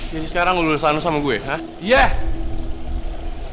jadi sekarang lo lulus anu sama gue ha